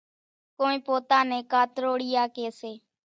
ڪونئين پوتا نين ڪاتروڙِيا ڪيَ سي۔